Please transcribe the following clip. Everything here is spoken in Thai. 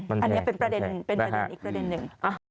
อันนี้เป็นประเด็นอีกประเด็นหนึ่ง